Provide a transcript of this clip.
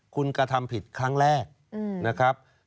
คุณกระทำผิดครั้งแรก